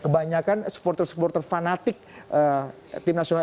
kebanyakan supporter supporter fanatik tim nasional